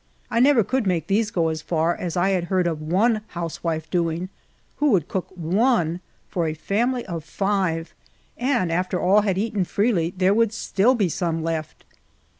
I never could make these go as far as I had heard of one housewife doing, who would cook one for a family of five, and after all had eaten freely, there would still be some left